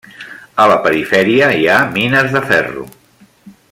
A la perifèria hi ha mines de ferro.